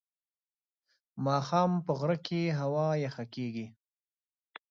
ماښام په غره کې هوا یخه کېږي.